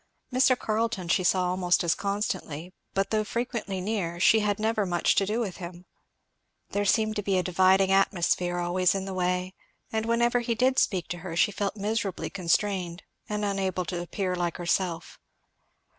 Mr. Carleton she saw almost as constantly, but though frequently near she had never much to do with him. There seemed to be a dividing atmosphere always in the way; and whenever he did speak to her she felt miserably constrained and unable to appear like herself.